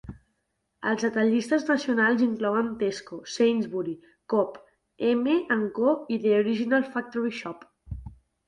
Els detallistes nacionals inclouen Tesco, Sainsbury, Co-op, M and Co i The Original Factory Shop.